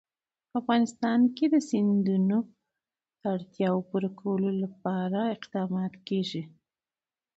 په افغانستان کې د سیندونه د اړتیاوو پوره کولو لپاره اقدامات کېږي.